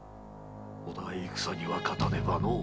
お互い戦には勝たねばのう。